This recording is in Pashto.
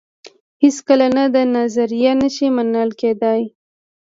هېڅکله نه دا نظریه نه شي منل کېدای.